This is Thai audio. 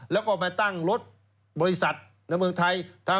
แล้วก็มาตั้งรถบริษัทในเมืองไทย